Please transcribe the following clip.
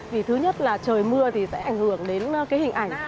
vì thứ nhất là trời mưa thì sẽ ảnh hưởng đến cái hình ảnh